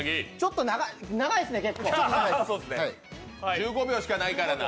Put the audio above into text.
１５秒しかないからな。